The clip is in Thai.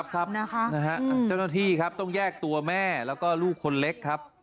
เจ้าหน้าที่ครับต้องแยกตัวแม่แล้วก็ลูกคนเล็กครับ